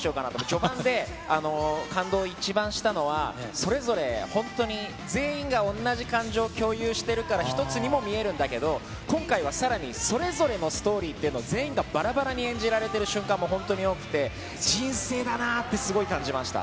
序盤で感動一番したのは、それぞれ、本当に全員がおんなじ感情を共有してるから、一つにも見えるんだけど、今回はさらに、それぞれのストーリーっていうのを全員がばらばらに演じられている瞬間も本当に多くて、人生だなって、すごい感じました。